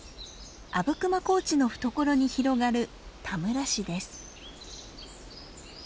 阿武隈高地の懐に広がる田村市です。